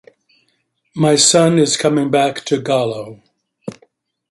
My son is coming back to "Galo".